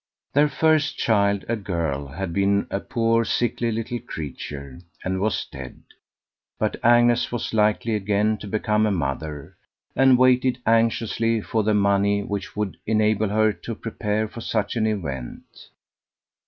Their first child, a girl, had been a poor sickly little creature, and was dead; but Agnes was likely again to become a mother, and waited anxiously for the money which would enable her to prepare for such an event.